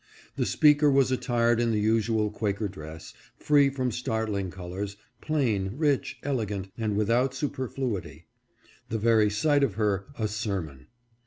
The speaker was attired in the usual Quaker dress, free from startling colors, plain, rich, elegant, and without superfluity — the very sight of her, a sermon.